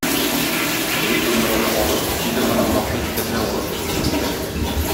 Егет думбраны алып, җиде аргамакны җитәкләп алып чыгып китте.